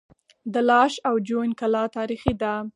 د لاش او جوین کلا تاریخي ده